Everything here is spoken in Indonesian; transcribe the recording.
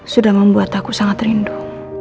sudah membuat aku sangat rindu